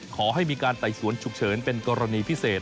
ขอให้มีการไต่สวนฉุกเฉินเป็นกรณีพิเศษ